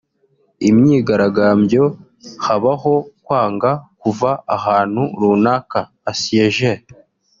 Imyigarambyo habaho kwanga kuva ahantu runaka (Assièger)